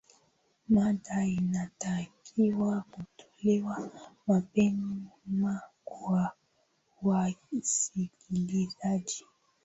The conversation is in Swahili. mada inatakiwa kutolewa mapema kwa wasikilizaji